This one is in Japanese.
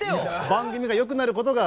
番組がよくなることが。